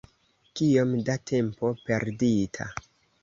Kiom da tempo perdita!